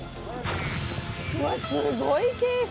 うわっすごい傾斜。